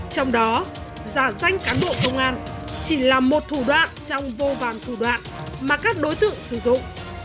trong đó giả danh cán bộ công an chỉ là một thủ đoạn trong vô vàn thủ đoạn mà các đối tượng sử dụng